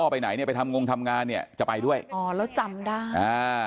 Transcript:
ไปไหนเนี่ยไปทำงงทำงานเนี่ยจะไปด้วยอ๋อแล้วจำได้อ่า